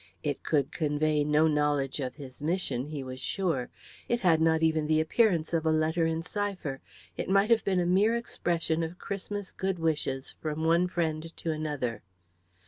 It could convey no knowledge of his mission, he was sure. It had not even the appearance of a letter in cipher; it might have been a mere expression of Christmas good wishes from one friend to another.